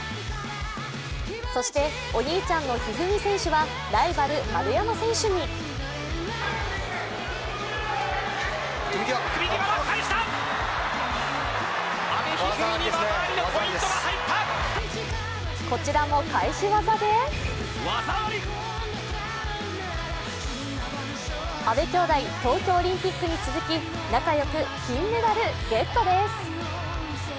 そして、お兄ちゃんの一二三選手はライバル・丸山選手にこちらも返し技で阿部きょうだい、東京オリンピックに続き仲よく金メダルゲットです。